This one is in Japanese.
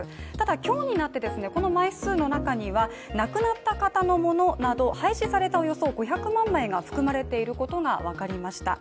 今日になってこの枚数の中には亡くなった方のものなど、廃止されたおよそ５００万枚が含まれていることが分かりました。